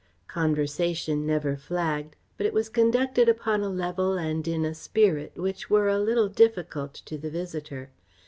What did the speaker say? Conversation never flagged, but it was conducted upon a level and in a spirit which were a little difficult to the visitor.